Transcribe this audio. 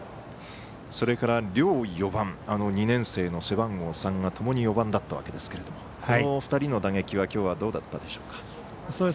それから両４番２年生の背番号３がともに４番だったわけですがこの２人の打撃はきょうはどうだったでしょうか。